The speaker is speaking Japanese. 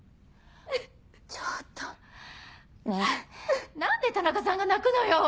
ちょっとねぇ何で田中さんが泣くのよ？